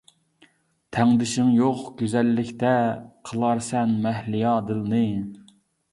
تەڭدىشىڭ يوق گۈزەللىكتە، قىلارسەن مەھلىيا دىلنى.